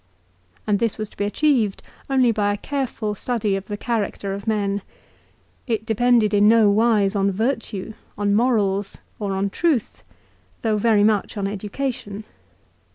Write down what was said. And this was to be achieved only by a careful study of the characters of men. It depended in no wise on virtue, on morals, or on truth, though very much on education.